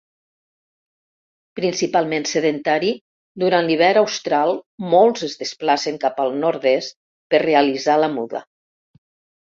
Principalment sedentari, durant l'hivern austral molts es desplacen cap al nord-est, per realitzar la muda.